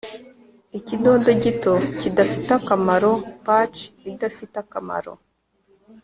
ikidodo gito kidafite akamaro, patch idafite akamaro